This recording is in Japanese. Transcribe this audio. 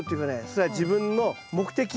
それは自分の目的。